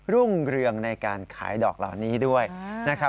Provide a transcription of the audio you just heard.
รุ่งเรืองในการขายดอกเหล่านี้ด้วยนะครับ